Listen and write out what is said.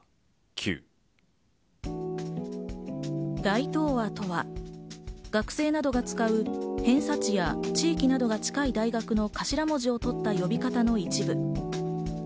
大東亜とは、学生などが使う偏差値や地域などが近い大学の頭文字をとった呼び方の一部。